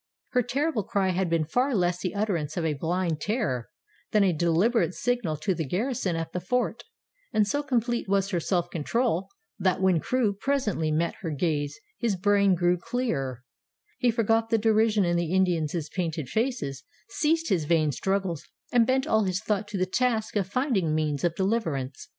Her terrible cry had been far less the utterance of a blind terror than a deliberate signal to the garrison at the fort, and so complete was her self control that when Crewe presently met her gaze his brain grew clearer, he forgot the derision in the Indians' painted faces, ceased his vain struggles, and bent all his thought to the task of finding means of deliverance.